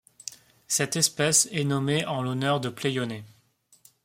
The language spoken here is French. Cette espèce est nommée en l'honneur de Pléioné.